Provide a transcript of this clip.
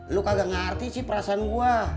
lu kagak ngerti sih perasaan gue